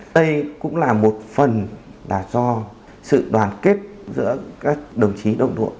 đây cũng là một phần là do sự đoàn kết giữa các đồng chí đồng đội